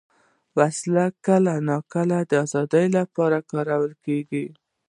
وسله کله ناکله د ازادۍ لپاره کارېږي